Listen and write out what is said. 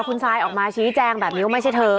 คุณซายออกมาชี้แจงแบบนี้ว่าไม่ใช่เธอ